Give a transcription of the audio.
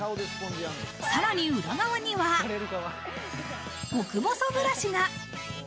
さらに裏側には極細ブラシが。